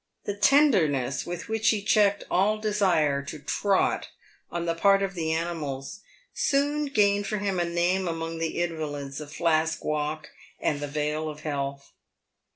The tenderness with which he checked all desire to trot on the part of the animals soon gained for him a name among the invalids of Mask walk and the Vale of Health.